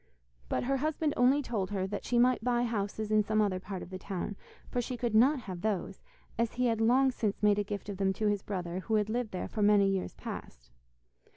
But her husband only told her that she might buy houses in some other part of the town, for she could not have those, as he had long since made a gift of them to his brother, who had lived there for many years past.